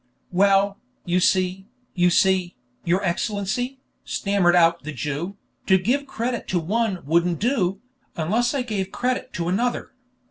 "Well, you see you see, your Excellency," stammered out the Jew, "to give credit to one wouldn't do, unless I gave credit to another.